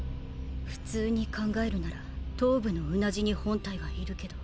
普通に考えるなら頭部のうなじに本体はいるけど。